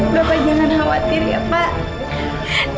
bapak jangan khawatir ya pak